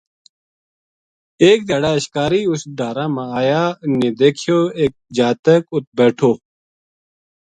اک دھیاڑے اشکاری اُس ڈھارا ما آیا اِنھ نے دیکھیو ایک جاتک اُ ت بیٹھو